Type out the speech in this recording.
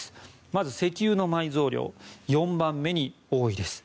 まず、石油の埋蔵量４番目に多いです。